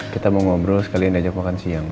kita mau ngobrol sekalian ajak makan siang